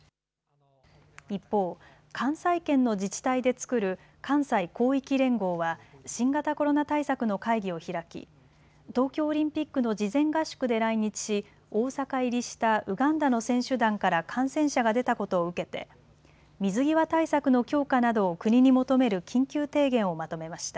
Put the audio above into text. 一方、関西圏の自治体で作る関西広域連合は新型コロナ対策の会議を開き東京オリンピックの事前合宿で来日し、大阪入りしたウガンダの選手団から感染者が出たことを受けて水際対策の強化などを国に求める緊急提言をまとめました。